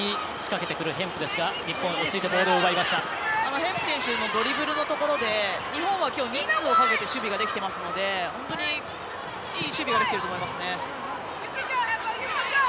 ヘンプ選手のドリブルのところで日本は、きょう人数をかけて守備ができていますので本当にいい守備ができてると思いますね。